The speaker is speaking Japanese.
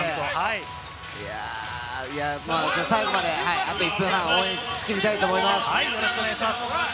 最後まであと１分半、応援しきりたいと思います。